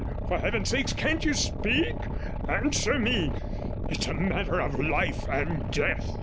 For heaven's sake, can't you speak? Answer me; it's a matter of life and death.'